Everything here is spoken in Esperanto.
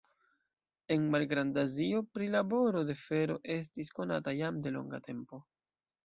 En Malgrand-Azio prilaboro de fero estis konata jam de longa tempo.